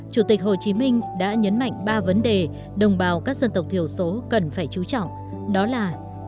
chủ tịch hồ chí minh đã nhấn mạnh ba vấn đề đồng bào các dân tộc thiểu số cần phải chú trọng đó là